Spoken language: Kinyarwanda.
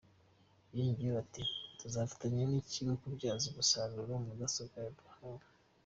Yongeyeho ati “Tuzafatanya n’ikigo kubyaza umusaruro mudasobwa duhawe.